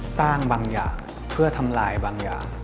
สร้างบางอย่างเพื่อทำลายบางอย่าง